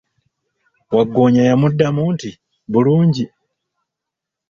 Waggoonya yamuddamu nti, bulungi.